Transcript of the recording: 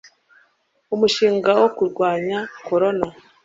umushinga wo kurwanya korona